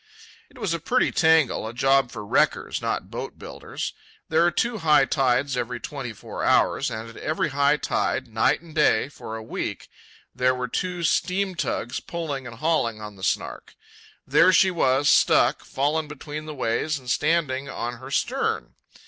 It was a pretty tangle, a job for wreckers, not boat builders. There are two high tides every twenty four hours, and at every high tide, night and day, for a week, there were two steam tugs pulling and hauling on the Snark. There she was, stuck, fallen between the ways and standing on her stern.